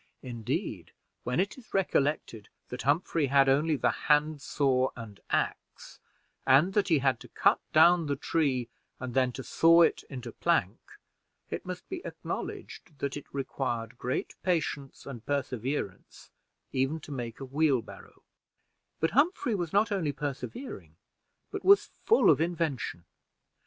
Indeed, when it is recollected that Humphrey had only the hand saw and ax, and that he had to cut down the tree; and then to saw it into plank, it must be acknowledged that it required great patience and perseverance even to make a wheelbarrow; but Humphrey was not only persevering, but was full of invention.